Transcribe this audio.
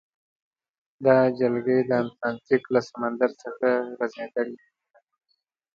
دا جلګې د اتلانتیک له سمندر څخه غزیدلې دي.